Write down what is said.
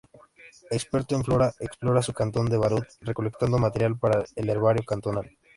Experto en flora, explora su cantón de Vaud, recolectando material para el herbario cantonal.